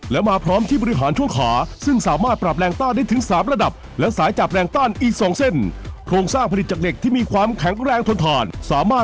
และมาพร้อมที่บริหารชั่วขา